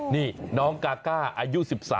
นี่น้องกะกะอายุ๑๓ปี